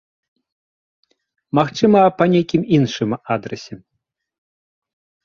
Магчыма, па нейкім іншым адрасе.